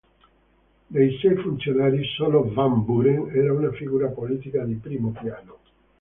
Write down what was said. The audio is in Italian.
Dei sei funzionari solo Van Buren era una figura politica di primo piano.